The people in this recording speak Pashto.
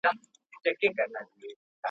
راسه له ساحله د نهنګ خبري نه کوو.